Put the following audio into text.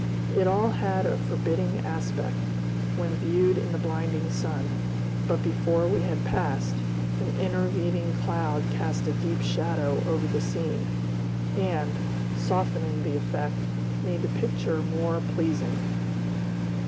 It all had a forbidding aspect, when viewed in the blinding sun; but before we had passed, an intervening cloud cast a deep shadow over the scene, and, softening the effect, made the picture more pleasing.